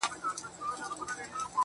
هغه وكړې شوگېرې پــه خـاموشـۍ كي